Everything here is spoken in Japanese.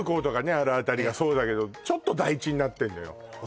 あるあたりがそうだけどちょっと台地になってんのよ